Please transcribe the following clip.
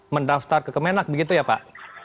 mendaftar ke kemenak begitu ya pak